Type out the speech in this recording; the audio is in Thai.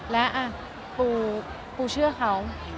และปูเชื่อเขา